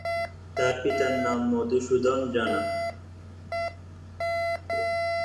তার পিতার নাম মধুসূদন জানা।